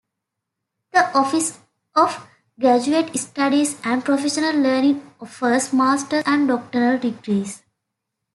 The Office of Graduate Studies and Professional Learning offers master's and doctoral degrees.